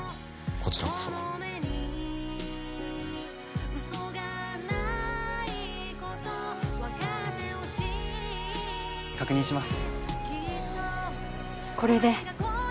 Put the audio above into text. こちらこそ確認します